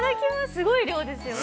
すごい量ですよね。